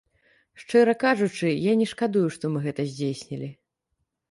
Шчыра кажучы, я не шкадую, што мы гэта здзейснілі.